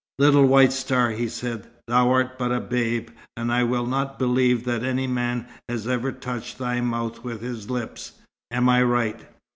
"Little white star," he said, "thou art but a babe, and I will not believe that any man has ever touched thy mouth with his lips. Am I right?"